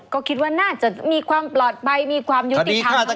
ก็คิดว่าน่าจะมีความปลอดภัยมีความยุติธรรม